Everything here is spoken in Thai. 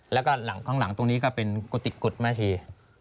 แล้วก็ข้างหลังตรงนี้ก็เป็นกุฏิกกฎแม่ชี